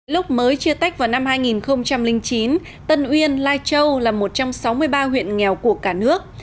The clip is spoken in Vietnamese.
lúc mới chia tách vào năm hai nghìn chín tân uyên lai châu là một trong sáu mươi ba huyện nghèo của cả nước